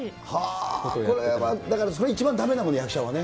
これは、だからそれは一番だめなのね、役者はね。